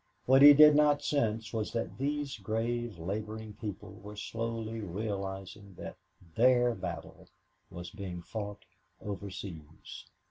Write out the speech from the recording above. What he did not sense was that these grave laboring people were slowly realizing that their battle was being fought overseas.